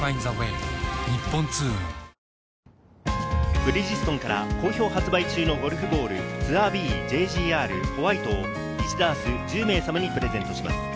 ブリヂストンから好評発売中のゴルフボール「ＴＯＵＲＢＪＧＲ」ホワイトを１ダース、１０名様にプレゼントします。